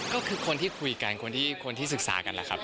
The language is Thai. ก็คือคนที่คุยกันคนที่ศึกษากันแหละครับ